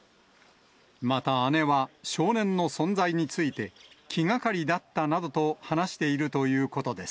また姉は少年の存在について、気がかりだったなどと話しているということです。